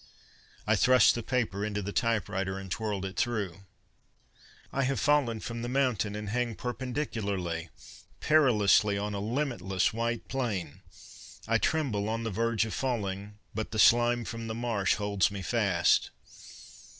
I thrust the paper into the typewriter and twirled it through. "I have fallen from the mountain, and hang perpendicularly, perilously, on a limitless white plain. I tremble, on the verge of falling, but the slime from the marsh holds me fast."